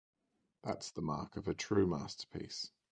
That's the mark of a true masterpiece.